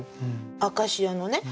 「アカシア」のね